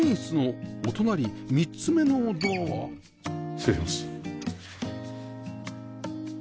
失礼します。